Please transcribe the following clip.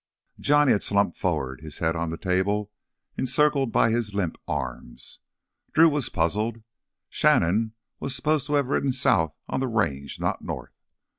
Johnny had slumped forward, his head on the table encircled by his limp arms. Drew was puzzled. Shannon was supposed to have ridden south on the Range, not north.